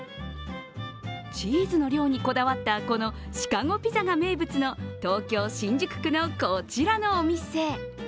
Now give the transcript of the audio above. チーズの量にこだわった、このシカゴピザが名物の東京・新宿区のこちらのお店。